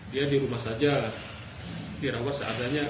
dia di rumah saja dirawat seadanya